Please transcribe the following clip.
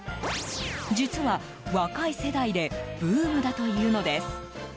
実は、若い世代でブームだというのです。